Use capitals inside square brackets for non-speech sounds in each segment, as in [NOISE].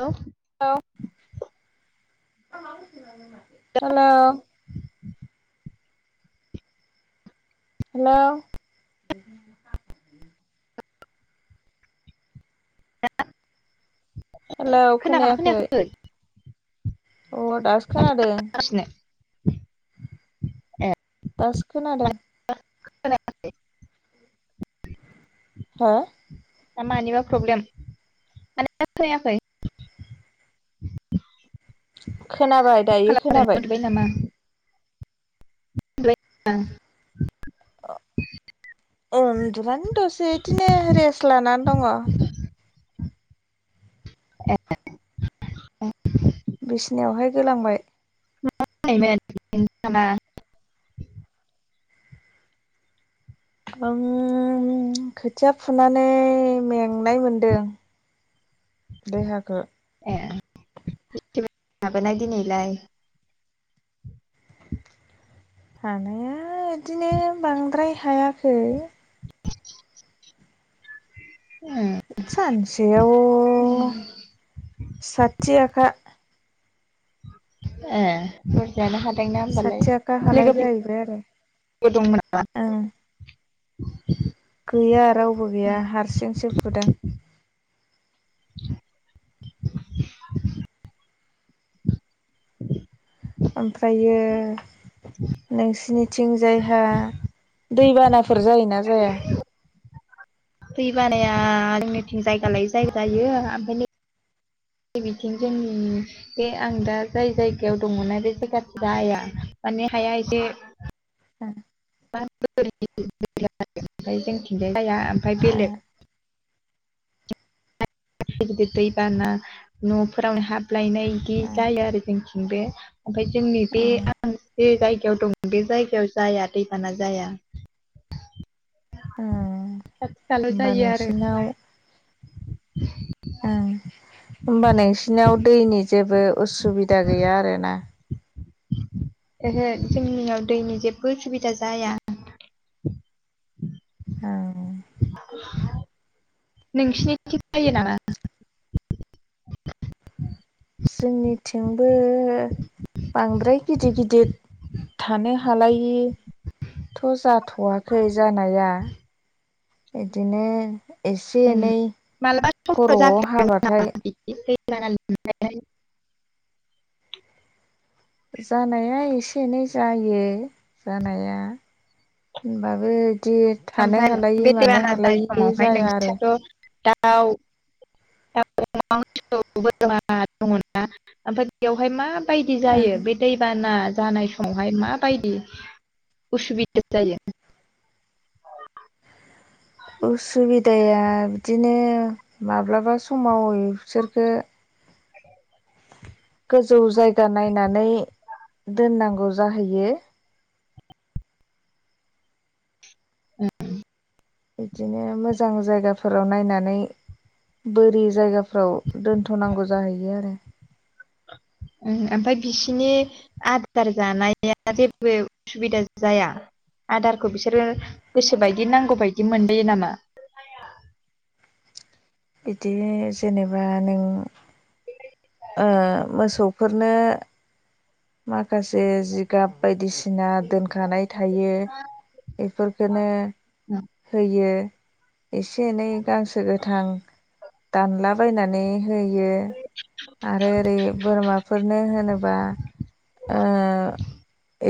हेल hello हेल' [UNINTELLIGIBLE] hello खोनायाखै अ दासो खोनादों गासिनो ए दासो खोनादों माने [UNINTELLIGIBLE] हा दा मानिबा प्रब्लेम माने फैयाखै [UNINTELLIGIBLE] खोनाबाय दायो खोनाबाय [UNINTELLIGIBLE] औ उन्दुनानै दसे बिदिनो रेस्ट लानानै दङ ए बिसिनायावहाय गोलांबाय [UNINTELLIGIBLE] आं खोथिया फुनानै मेंनाय मोनदों [INAUDIBLE] देहाखौ ए [UNINTELLIGIBLE] माबोना दिनैलाय हानाया बिदिनो बांद्राय हायाखै ए सानसेयाव साथि आखा ए बुरजायानो हा दोंना होनोमबालाय साथि आखा हानाय जाहैबाय आरो लोगोफोर दंमोन नामा ओं गैया रावबो गैया हारसिंसो फुदों [INAUDIBLE] ओमफ्रायो नोंसिनिथिं जायहा दैबानाफोर जायोना जाया दैबानाया जोंनिथिं जायगा लायै जायगा जायो ओमफ्रायाय न बिथिं जोंनि बे आं दा जाय जायगायाव दङना बे जायगाथि जाया माने हाया एसे [UNINTELLIGIBLE] [INAUDIBLE] [UNINTELLIGIBLE] ओमफ्राय जोंथिंजाय जाया ओमफ्राय बेलेग गिदिर गिदिर दैबाना न'फोरावनो हाबलायनाय बिदि जायो आरो जोंनिथि बे ओमफफ्राय जोंनि बे होमबा आं जे जायगायाव दं बे जायगायाव जाया दैबाना जाया [UNINTELLIGIBLE] [INAUDIBLE] खाथि खाला जायो आरो नोंसिनाव होमबा नोंसिनियाव दैनि जेबो उसुबिदा गैया आरोना ओहो जोंनियाव दैनि जेबबो उसुबिदा जाया ओं [UNINTELLIGIBLE] [INAUDIBLE] नोंसिनिथि जायो नामा जोंनिथिंबो बांद्राय गिदिर गिदिर थानो हालायिथ' जाथ'वाखै जानाया बिदिनो एसे उम एनै मालाबा समफ्राव खर'आव जाफेरा नामा हाबाथाय [UNINTELLIGIBLE] [INAUDIBLE] जानाया एसे एनै जायो जानाया होनबाबो बिदि थानो ओमफ्राय हालायि बे मानो दैबाना हालायै जाया आरो आव दाउ अमा हांसो बोरमा दङ ना ओमफ्राय बेयावहाय मा बायदि जायो बे दैबाना जानाय समावहाय माबायदि उसुबिदा जायो उसुबिदाया बिदिनो माब्लाबा समाव बिसोरखो गोजौ जायगा नायनानै दोननांगौ जाहैयो उम बिदिनो मोजां जायगाफोराव नायनानै बोरि जायगाफ्राव दोनथ'नांगौ जाहैयो आरो ओमफ्राय बिसिनि आदार जानाया जेबो उसुबिदा जाया आदारखौ बिसोरो गोसो बायदि नांगौ बायदि मोनबोयो नामा बिदि जेनेबा नों ओ मोसौफोरनो माखासे जिगाब बायदिसिना दोनखानाय थायो बेफोरखोनो होयो एसे एनै गांसो गोथां दानलाबायनानै होयो आरो ओरै बोरमाफोरनो होनोबा ओ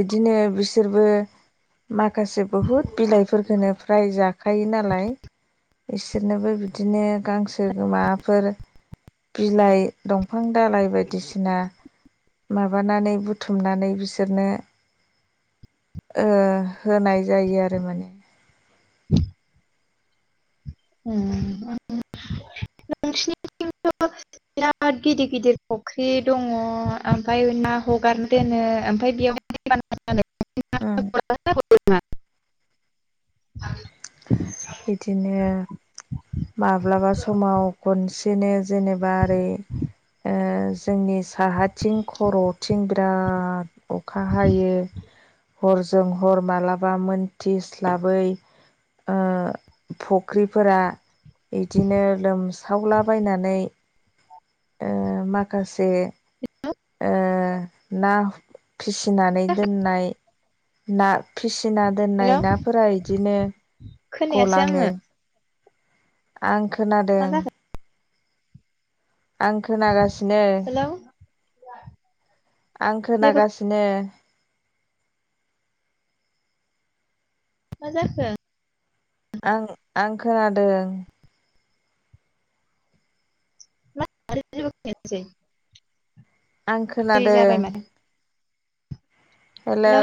इदिनो बिसोरबो माखासे बहुद बिलाइफोरखोनो फ्राय जाखायो नालाय बिसोरनोबो बिदिनो गांसो गोमाफोर बिलाइ दंफां दालाइ बायदिसिना माबा हनानै बुथुमनानै बिसोरनो ओ होनाय जायो आरो माने [UNINTELLIGIBLE] [INAUDIBLE] [UNINTELLIGIBLE] [INAUDIBLE] बिराद गिदिर गिदिर फख्रि दङ ओमफ्राय ना हगारना दोनो ओमफ्राय बेयाव [UNINTELLIGIBLE] [INAUDIBLE] उम [UNINTELLIGIBLE] [INAUDIBLE] बिदिनो माब्लाबा समाव खनसेनो जेनेबा ओरै ओ जोंनि साहाथिं खर'थिं बिराद अखा हायो हरजों हर मालाबा मोनथिस्लाबै फुख्रिफोरा इदिनो लोमसावलाबायनानै ओ माखासे ओ ना। फिसिनानै दोननाय ना। फिसिना दोननाय हेलौ नाफोरा इदिनो। खोनायासै गलाङो आंङो। आं खोनादों। जाखो आं खोनागासिनो। हेलौ आं जेबो खोनागासिनो। मा जाखो? आं-आं खोनादों। [UNINTELLIGIBLE] आं सिरि खोनादों। जाबाय माथो हेलौ!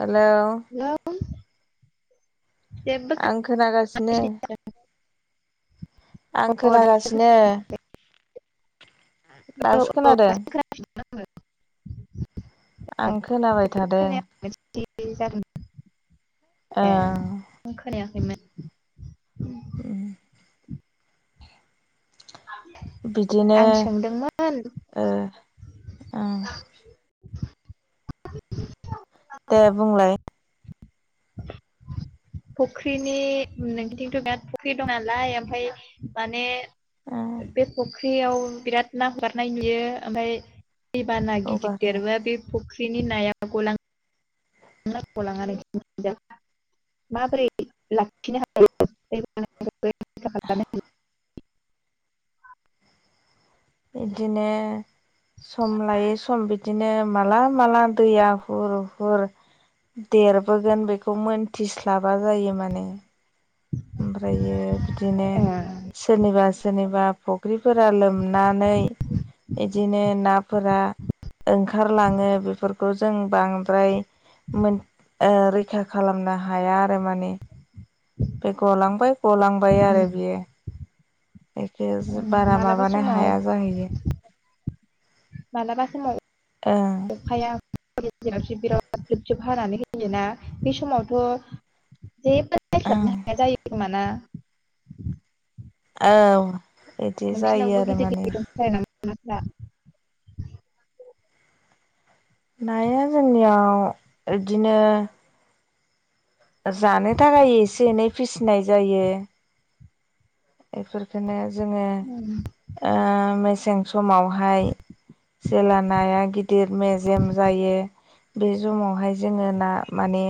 Hello hello! जेबो आं औ खोनागासिनो। आं खोनागासिनो। दासो दासो खोनादों [UNINTELLIGIBLE] आं आङो खोनाबाय थादों। [UNINTELLIGIBLE] ए आं ओं। [INAUDIBLE] उम। बिदिनो आं सोंदोंमोन। ओ ओं [INAUDIBLE] दे बुंलाय। [INAUDIBLE] फुख्रिनि नों बिदिंथ' बिराद फुख्रि दं नालाय ओमफाय माने। ओ बे फख्रियाव बिराद ना हेगारनाय नुयो ओमफाय। दैबाना गिदिर हगारो देरबा बे फुख्रिनि नाया गलां‌ [UNINTELLIGIBLE] माबोरै लाखिनो हायो? [UNINTELLIGIBLE] इदिनो। सम लायै सम बिदिनो माला-माला दैया हुर-हुर। देरबोगोन बेखौ मोनथिस्लाबा जायो माने। ओमफ्रायो बिदिनो सोरनिबा-सोरनिबा। फुख्रिफोरा लोमनानै। इदिनो नाफोरा ओंखारलाङो बेफोरखौ जों बांद्राय। मोन ओ रैखा खालामनो हाया आरो माने। बे गलांबाय-गलांबाय आरो बियो। एखे बारा मालाबा माबानो समाव हाया जाहैयो। मालाबा समाव। ओ। [UNINTELLIGIBLE] बिराद जुब-जुब हानानै होयोना बे समावथ'। जेबो ओं रायस्लाबनो हाया जायो खोमा ना? औ बिदि जायो नोंसिनावबो आरो गिदिर माने। गिदिर [UNINTELLIGIBLE] नाया जोंनियाव इदिनो। जानो थाखाय एसे-एनै फिसिनाय जायो। इफोरखोनो जोङो उम, ओ मेसें समावहाय। जेेला नाया गिदिर मेजेम जायो। बे से मावहाय जोङो ना माने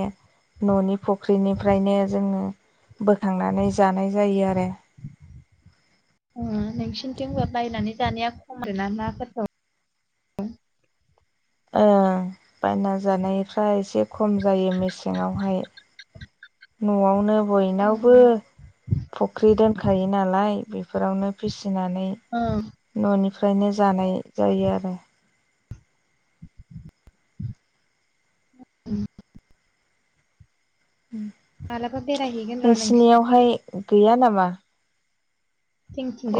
न'नि। फुख्रिनिफ्रायनो जोङो बोखांनानै जानाय जायो आरो उम नोंसिनिथिंबो बायनानै जानाया खम आरोना नाफोरखौ ओ बायना जानायफ्रा एसे खम जायो मेसेंआवहाय नआवनो बयनावबो उम, फख्रि दोनखायो नालाय बेफोरावनो फिसिनानै ओं ननि फ्रायनो जानाय जायो आरो उम मालाबा बेरायहैगोन र' नोंसिनिथिं नोंसिनियावहाय गैया नामा?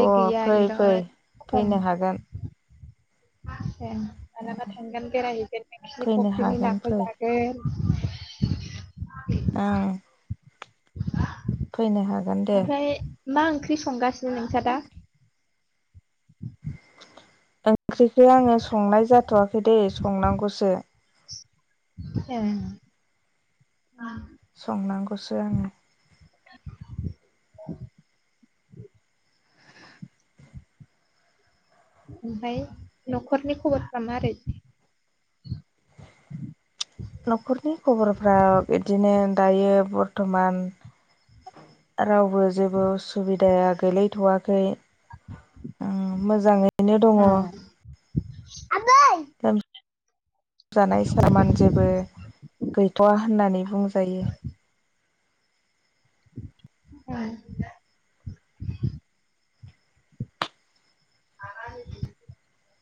अ गैया फै फै बिराद खम फैनो हागोन ए मालाबा थांगोन बेरायहैगोन नोंसिनि फैनो फख्रिनि हागोन नाखो फै जागोन [UNINTELLIGIBLE] ओं [UNINTELLIGIBLE] फैनो हागोन दे ओमफ्राय मा ओंख्रि संगासिनो नोंसा दा? [UNINTELLIGIBLE] ओंख्रिखो आङो संनाय जाथवाखै दे संनांगौसो ए संनांगौसो आङो [UNINTELLIGIBLE] ओमफ्राय नखरनि खबरफ्रा मारै नखरनि खबरफ्रा बिदिनो दायो बर्थमान रावबो जेबो उसुबिदाया गोैलायथवाखै मोजाङैनो दङ [UNINTELLIGIBLE] लोम जानाय सामान जेबो गैथवा होननानै बुंजायो [UNINTELLIGIBLE] [UNINTELLIGIBLE]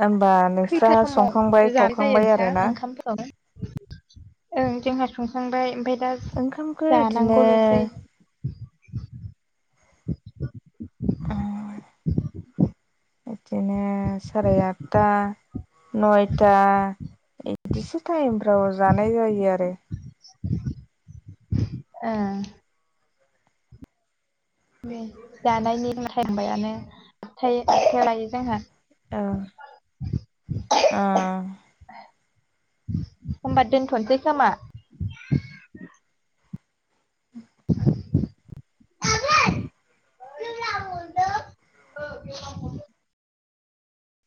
होमबा नोंस्रा खैथा संखांबाय समाव जानो जायो खावखांबाय नोंसा आरोना ओंखामफोरखौ ओं जोंहा संखांबाय ओमफ्राय दा ओंखामखौ बिदिनो जानांगौलसै [UNINTELLIGIBLE] बिदिनो साराय आठथा नयथा इदिसो टाइमफ्राव जानाय जायो आरो ओ दे जानायनि [UNINTELLIGIBLE] लायो जोंहा औ अ होमबा दोनथनोसै खोमा? [UNINTELLIGIBLE] [UNINTELLIGIBLE]